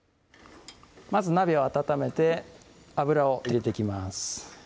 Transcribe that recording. まず鍋を温めて油を入れていきます